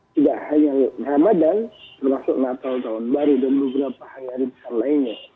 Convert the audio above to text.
tidak hanya ramadan termasuk natal tahun baru dan beberapa hari hari besar lainnya